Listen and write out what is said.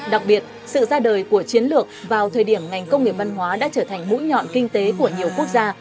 đặc biệt sự ra đời của chiến lược vào thời điểm ngành công nghiệp văn hóa đã trở thành mũi nhọn kinh tế của nhiều quốc gia